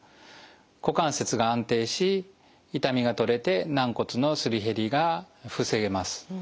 股関節が安定し痛みが取れて軟骨のすり減りが防げます。